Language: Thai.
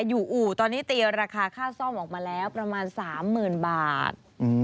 อู่ตอนนี้ตีราคาค่าซ่อมออกมาแล้วประมาณ๓๐๐๐บาท